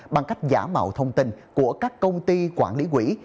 bằng cách giả mạo thông tin của các công ty quản lý quỹ